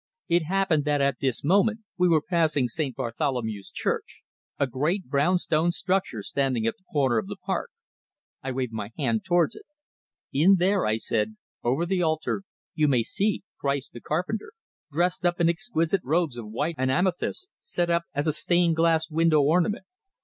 It happened that at this moment we were passing St. Bartholomew's Church, a great brown stone structure standing at the corner of the park. I waved my hand towards it. "In there," I said, "over the altar, you may see Christ, the carpenter, dressed up in exquisite robes of white and amethyst, set up as a stained glass window ornament.